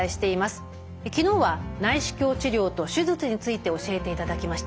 昨日は内視鏡治療と手術について教えていただきました。